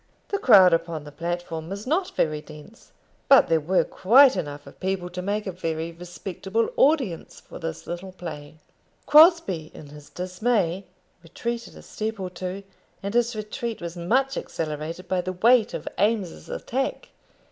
The crowd upon the platform was not very dense, but there were quite enough of people to make a very respectable audience for this little play. Crosbie, in his dismay, retreated a step or two, and his retreat was much accelerated by the weight of Eames's attack.